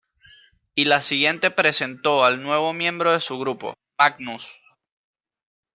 Y la siguiente presentó al nuevo miembro de su grupo, Magnus.